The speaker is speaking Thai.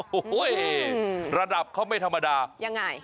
โอ้โหระดับเขาไม่ธรรมดายังไง